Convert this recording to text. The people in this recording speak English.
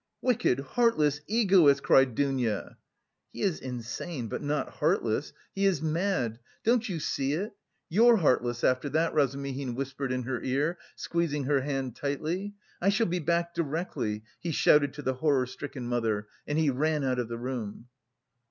"Wicked, heartless egoist!" cried Dounia. "He is insane, but not heartless. He is mad! Don't you see it? You're heartless after that!" Razumihin whispered in her ear, squeezing her hand tightly. "I shall be back directly," he shouted to the horror stricken mother, and he ran out of the room.